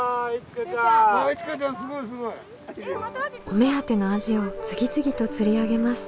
お目当てのアジを次々と釣り上げます。